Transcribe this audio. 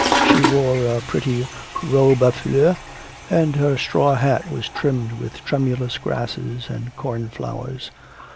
She wore a pretty robe a fleurs, and her straw hat was trimmed with tremulous grasses and cornflowers.